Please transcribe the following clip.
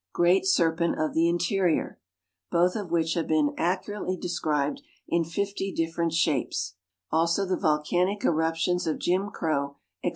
great serpent of the in terior, both of which have been accurately described in fifty different shapes ; also the volcanic eruptions of Jim Crow, &c.